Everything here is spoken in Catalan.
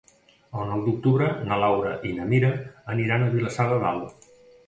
El nou d'octubre na Laura i na Mira aniran a Vilassar de Dalt.